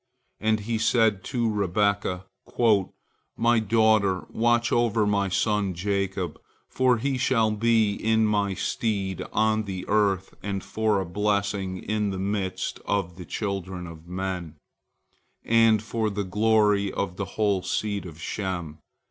And he said unto Rebekah, "My daughter, watch over my son Jacob, for he shall be in my stead on the earth and for a blessing in the midst of the children of men, and for the glory of the whole seed of Shem."